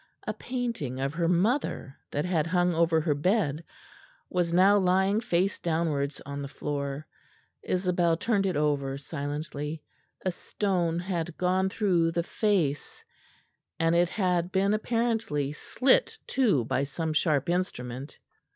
A painting of her mother that had hung over her bed was now lying face downwards on the floor. Isabel turned it over silently; a stone had gone through the face; and it had been apparently slit too by some sharp instrument.